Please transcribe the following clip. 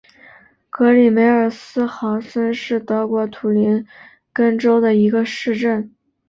格里梅尔斯豪森是德国图林根州的一个市镇。